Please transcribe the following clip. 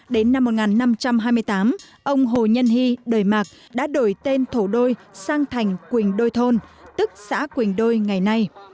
đến năm một nghìn năm trăm hai mươi tám ông hồ nhân hy đời mạc đã đổi tên thủ đô sang thành quỳnh đôi thôn tức xã quỳnh đôi ngày nay